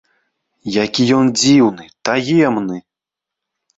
Які ён дзіўны, таемны!